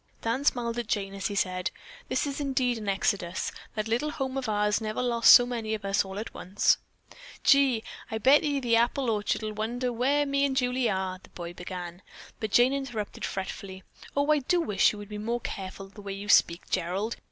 Dan smiled at Jane as he said: "This is indeed an exodus. That little old home of ours never lost so many of us all at once." "Gee, I bet ye the apple orchard'll wonder where me and Julie are," the boy began, but Jane interrupted fretfully. "Oh, I do wish you would be more careful of the way you speak, Gerald.